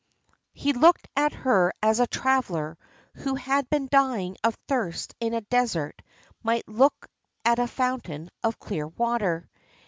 He looked at her as a traveller who had been dying of thirst in a desert might look at a fountain of clear water.